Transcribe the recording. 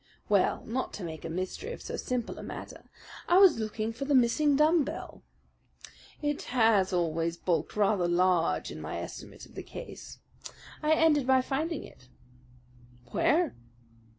"Well, not to make a mystery of so simple a matter, I was looking for the missing dumb bell. It has always bulked rather large in my estimate of the case. I ended by finding it." "Where?"